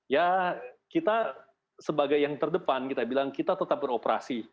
ya kita sebagai yang terdepan kita bilang kita tetap beroperasi